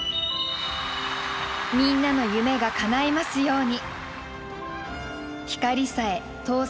みんなの夢がかないますように。